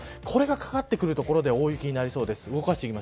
これがかかってくる所で大雪になりそうです。